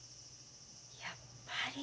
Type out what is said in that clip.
やっぱり。